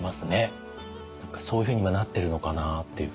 何かそういうふうに今なってるのかなっていうふうに。